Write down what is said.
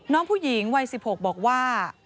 น้องผู้หญิงวัย๑๖บอกว่า